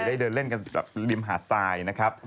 ได้เดินเล่นกันแบบริมหาดทรายนะครับ